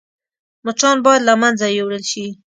مچان باید له منځه يوړل شي